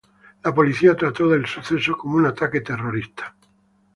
La policía trató el suceso como un ataque terrorista.